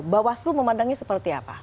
bawaslu memandangnya seperti apa